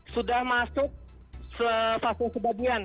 sudah masuk fase kebagian